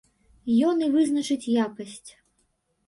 Ён і вызначыць якасць.